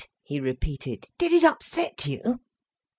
he repeated. "Did it upset you?"